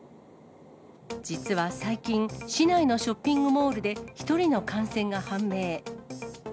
実は最近、市内のショッピングモールで１人の感染が判明。